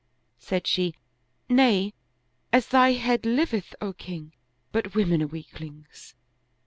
" Said she, " Nay, as thy head liveth, O king! but women are weaklings."